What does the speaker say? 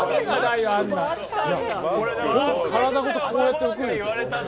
体ごとこうやって浮くんですよ。